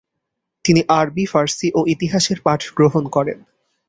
তিনি আরবি ফারসি ও ইতিহাসের পাঠগ্রহণ করেন।